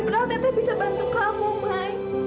padahal teteh bisa bantu kamu may